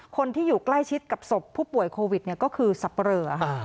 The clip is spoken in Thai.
คนที่อยู่ใกล้ชิดกับศพผู้ป่วยโควิดก็คือสับปะเรอ